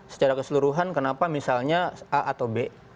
secara keseluruhan kenapa misalnya a atau b